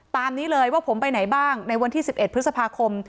ตามนี้เลยว่าผมไปไหนบ้างในวันที่๑๑พฤษภาคม